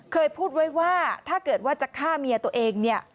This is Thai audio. เคยพูดไว้ว่าถ้าเกิดว่าจะฆ่าเมียตัวเองเนี่ย